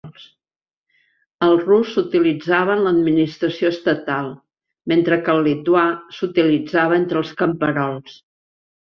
El rus s'utilitzava en l'administració estatal, mentre que el lituà s'utilitzava entre els camperols.